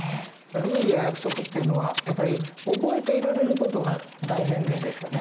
ルールや約束っていうのはやっぱり覚えていられる事が大前提ですよね。